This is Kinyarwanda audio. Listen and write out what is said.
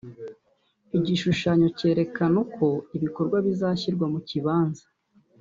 igishusahanyo cyererekana uko ibikorwa bizashyirwa mu kibanza